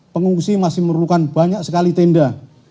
pengungsi masih memerlukan banyak sekali tenda